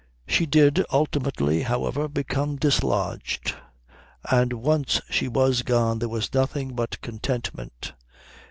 She did ultimately, however, become dislodged, and once she was gone there was nothing but contentment.